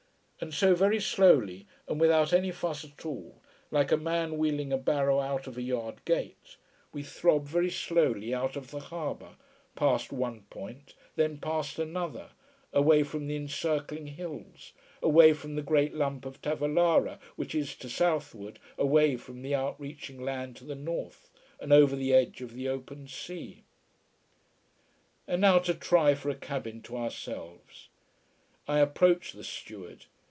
And so, very slowly, and without any fuss at all, like a man wheeling a barrow out of a yard gate, we throb very slowly out of the harbour, past one point, then past another, away from the encircling hills, away from the great lump of Tavolara which is to southward, away from the outreaching land to the north, and over the edge of the open sea. And now to try for a cabin to ourselves. I approach the steward.